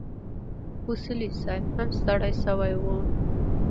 اصولي صیب هم ستړی شوی و.